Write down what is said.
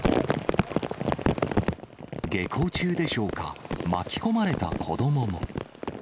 下校中でしょうか、巻き込まれた子どもも。